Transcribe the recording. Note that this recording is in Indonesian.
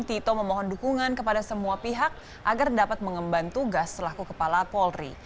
tito memohon dukungan kepada semua pihak agar dapat mengemban tugas selaku kepala polri